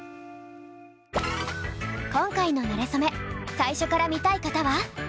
今回のなれそめ最初から見たい方は。